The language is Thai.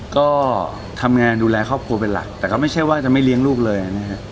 ก็ทำงานดูแลครอบครัวเป็นหลักแต่ก็ไม่ใช่ว่าจะไม่เลี้ยงลูกเลยนะฮะ